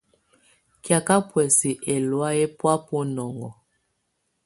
Kɛ̀áka buɛsɛ ɛlɔ̀áyɛ bɔá bunɔŋɔ.